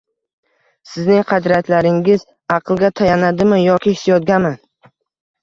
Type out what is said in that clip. Sizning qadriyatlaringiz aqlga tayanadimi, yoki hissiyotgami